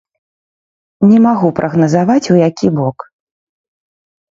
Не магу прагназаваць, у які бок.